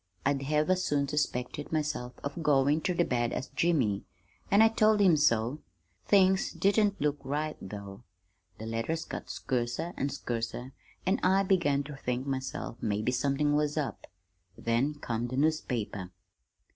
I'd have as soon suspected myself of goin' ter the bad as Jimmy, an' I told him so. Things didn't look right, though. The letters got skurser an' skurser, an' I began ter think myself maybe somethin' was up. Then come the newspaper.